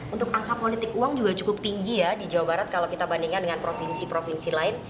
untuk angka politik uang juga cukup tinggi ya di jawa barat kalau kita bandingkan dengan provinsi provinsi lain